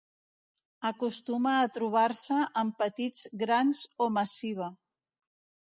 Acostuma a trobar-se en petits grans o massiva.